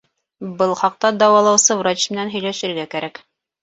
Был хаҡта дауалаусы врач менән һөйләшергә кәрәк.